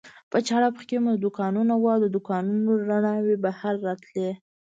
په چپ اړخ کې مو دوکانونه و، د دوکانونو رڼاوې بهر راتلې.